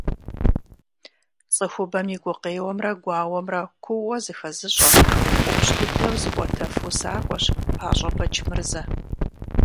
ЦӀыхубэм и гукъеуэмрэ гуауэмрэ куууэ зыхэзыщӀэ, ӀупщӀ дыдэу зыӀуэтэф усакӀуэщ ПащӀэ Бэчмырзэ.